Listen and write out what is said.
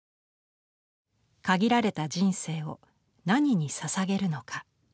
限られた人生を何にささげるのか。